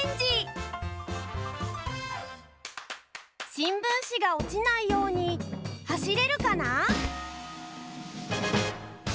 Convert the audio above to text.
しんぶんしがおちないようにはしれるかな？